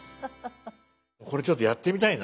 これちょっとやってみたいな。